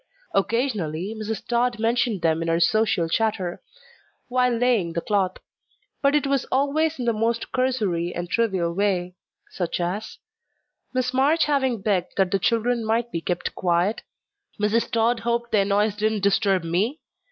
Occasionally Mrs. Tod mentioned them in her social chatter, while laying the cloth; but it was always in the most cursory and trivial way, such as "Miss March having begged that the children might be kept quiet Mrs. Tod hoped their noise didn't disturb ME?